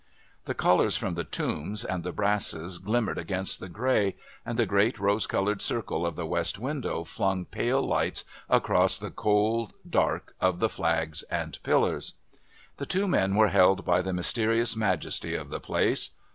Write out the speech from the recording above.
The colours from the tombs and the brasses glimmered against the grey, and the great rose coloured circle of the West window flung pale lights across the cold dark of the flags and pillars. The two men were held by the mysterious majesty of the place.